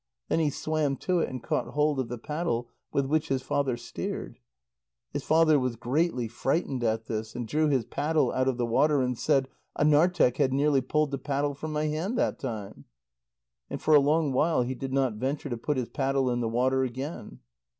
Then he swam to it, and caught hold of the paddle with which his father steered. His father was greatly frightened at this, and drew his paddle out of the water, and said: "Anarteq had nearly pulled the paddle from my hand that time." And for a long while he did not venture to put his paddle in the water again.